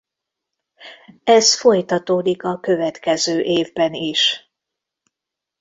Ez folytatódik a következő évbe is.